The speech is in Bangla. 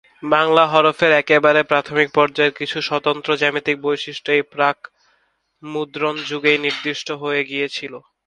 বাংলা হরফের একেবারে প্রাথমিক পর্যায়ের কিছু স্বতন্ত্র জ্যামিতিক বৈশিষ্ট্য এই প্রাক-মুদ্রণ যুগেই নির্দিষ্ট হয়ে গিয়েছিল।